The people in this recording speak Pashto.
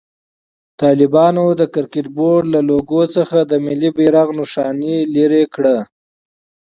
طالبانو د کرکټ بورډ له لوګو څخه د ملي بيرغ نخښه لېري کړه.